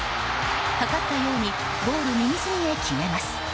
計ったようにゴール右隅へ決めます。